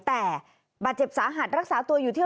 แต่บาดเจ็บสาหัสรักษาตัวอยู่ที่